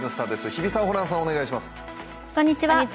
日比さん、ホランさん、お願いします。